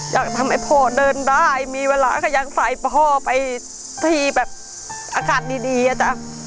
อยากให้พ่อเดินได้มีเวลาก็ยังใส่พ่อไปที่แบบอากาศดีอ่ะจ๊ะ